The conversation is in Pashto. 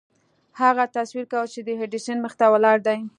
هغه تصور کاوه چې د ايډېسن مخې ته ولاړ دی.